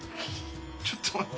ちょっと待って。